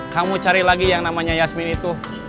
kamu cari lagi yang namanya yasmin itu